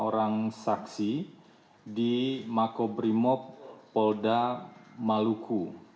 lima orang saksi di makobrimob polda maluku